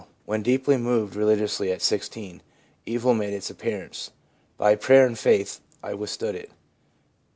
When deeply moved religiously at 16, evil made its appearance ; by prayer and faith I withstood it.